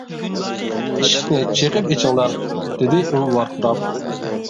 — ئىشىكنى چېقىپ ئېچىڭلار، — دېدى ئۇ ۋارقىراپ.